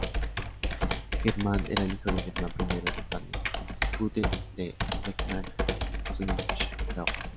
Germán era el hijo de Germán I de Baden y Judit de Backnang-Sulichgau.